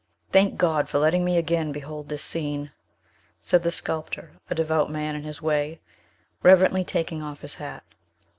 "Thank God for letting me again behold this scene!" Said the sculptor, a devout man in his way, reverently taking off his hat.